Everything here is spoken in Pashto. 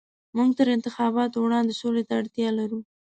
موږ تر انتخاباتو وړاندې سولې ته اړتيا لرو.